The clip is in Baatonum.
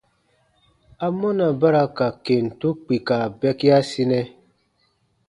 Amɔna ba ra ka kentu kpika bɛkiasinɛ?